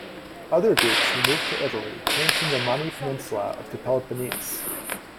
Other Greeks who moved to Italy came from the Mani Peninsula of the Peloponnese.